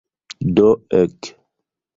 Do, ek.